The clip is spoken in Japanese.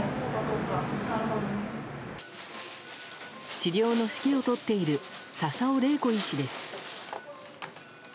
治療の指揮を執っている笹尾怜子医師です。